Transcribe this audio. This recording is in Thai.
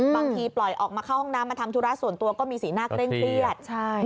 ปล่อยออกมาเข้าห้องน้ำมาทำธุระส่วนตัวก็มีสีหน้าเคร่งเครียด